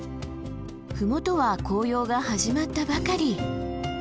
麓は紅葉が始まったばかり。